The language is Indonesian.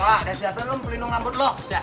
pak udah siap siapin lo pelindung rambut lo